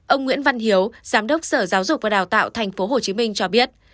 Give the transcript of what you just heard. ông nguyễn văn hiếu giám đốc sở giáo dục và đào tạo tp hcm cho biết